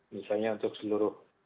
misalnya untuk seluruh